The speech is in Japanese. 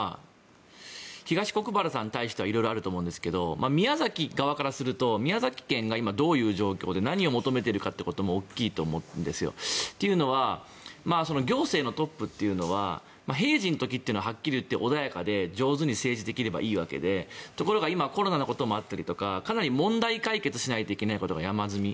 東国原さんに対しては色々あると思いますが宮崎側からすると宮崎県が今、どういう状況で何を求めるかってことも大きいと思うんですよ。というのは行政のトップというのは平時の時は、はっきり言って穏やかで上手に政治できればいいわけでところが今、コロナのこともあってとかかなり問題解決しないといけないことが山積み。